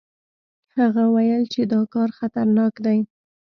هغه ویل چې دا کار خطرناک دی.